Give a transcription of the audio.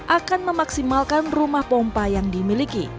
akan memaksimalkan rumah pompa yang dimiliki